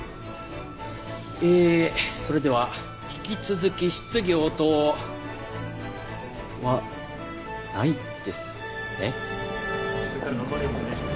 えそれでは引き続き質疑応答。はないですね。